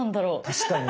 確かにね。